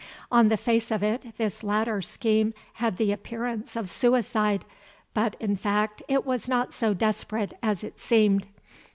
On the face of it, this latter scheme had the appearance of suicide, but, in fact, it was not so desperate as it seemed.